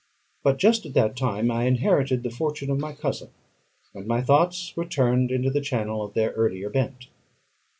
But just at that time I inherited the fortune of my cousin, and my thoughts were turned into the channel of their earlier bent.